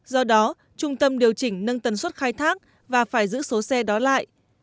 do đó trung tâm điều chỉnh nâng tần suất khai thác và phải giữ số xe đó lại